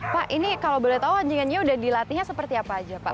pak ini kalau boleh tahu anjingannya sudah dilatihnya seperti apa saja